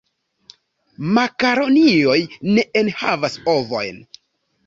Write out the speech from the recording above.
Makaronioj ne enhavas ovojn.